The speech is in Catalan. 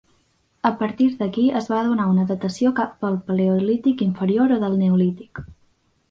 A partir d’aquí es va donar una datació cap al paleolític inferior o del neolític.